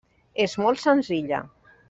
És molt senzilla.